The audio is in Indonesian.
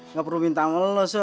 nggak perlu minta ngelulus